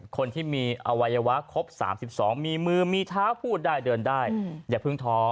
คนที่มีอวัยวะครบ๓๒มีมือมีเท้าพูดได้เดินได้อย่าเพิ่งท้อ